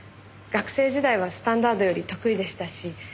学生時代はスタンダードより得意でしたし